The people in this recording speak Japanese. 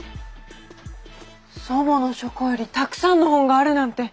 祖母の書庫よりたくさんの本があるなんて！